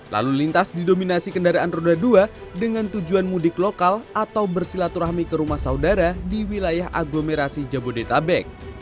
lalu lintas didominasi kendaraan roda dua dengan tujuan mudik lokal atau bersilaturahmi ke rumah saudara di wilayah aglomerasi jabodetabek